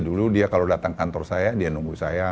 dulu dia kalau datang kantor saya dia nunggu saya